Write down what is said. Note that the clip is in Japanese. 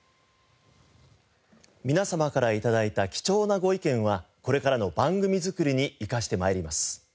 皆様から頂いた貴重なご意見はこれからの番組づくりに生かしてまいります。